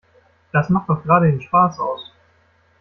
Das macht doch gerade den Spaß aus.